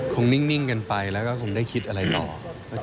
นิ่งกันไปแล้วก็คงได้คิดอะไรต่อ